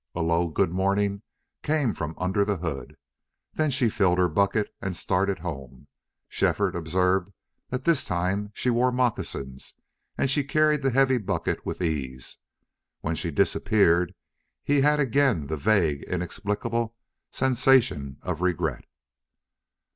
A low "good morning" came from under the hood. Then she filled her bucket and started home. Shefford observed that this time she wore moccasins and she carried the heavy bucket with ease. When she disappeared he had again the vague, inexplicable sensation of regret.